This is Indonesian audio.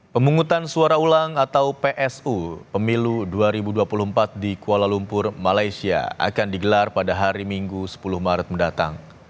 pemungutan suara ulang atau psu pemilu dua ribu dua puluh empat di kuala lumpur malaysia akan digelar pada hari minggu sepuluh maret mendatang